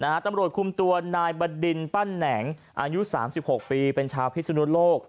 นาฬาตำรวจคุมตัวนายบดินปั้นแหน่งอายุ๓๖ปีเป็นชาวพิสุนโลก